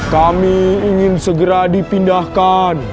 kami ingin segera dipindahkan